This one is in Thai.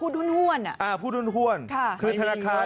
อชชมบอกพูดหุ้น